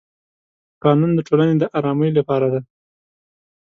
قانون د ټولنې د ارامۍ لپاره دی.